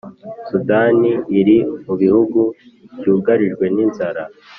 Sudani iri mu bihugu by’ ugarijwe n’ inzara